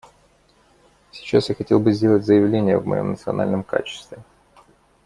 Сейчас я хотел бы сделать заявления в моем национальном качестве.